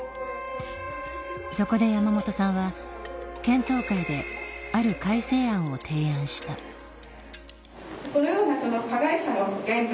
そこで山本さんは検討会である改正案を提案したそして。